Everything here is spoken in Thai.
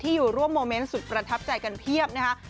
อยู่ร่วมโมเมนต์สุดประทับใจกันเพียบนะคะ